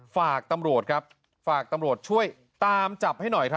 ฝากตำรวจครับฝากตำรวจช่วยตามจับให้หน่อยครับ